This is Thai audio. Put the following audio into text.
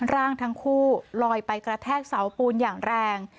ร่างทั้งคู่ลอยไปกระแทกเสาปูนอย่างแรง